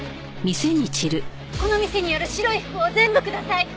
この店にある白い服を全部ください！